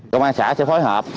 công an xã sẽ phối hợp